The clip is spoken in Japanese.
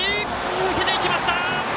抜けていきました！